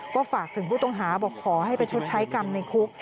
ก็ฝากถึงผู้ต้องหาบอกขอให้ไปชดใช้กรรมในคุก